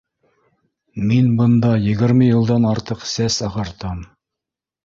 Мин бында егерме йылдан артыҡ сәс ағартам.